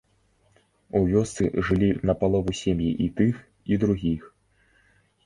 У вёсцы жылі напалову сем'і і тых, і другіх.